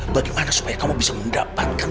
bagaimana supaya kamu bisa mendapatkan